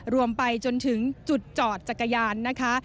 รวมไปจนถึงจุดจอดจักรยานนะคะ